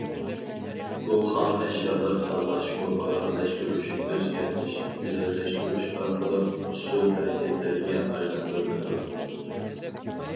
بۇ خام ئەشيالار تاللاش، مۇبالىغىلەشتۈرۈش، ئۆزگەرتىش، گۈزەللەشتۈرۈش ئارقىلىق ئۇسسۇل ھەرىكەتلىرىگە ئايلاندۇرۇلىدۇ.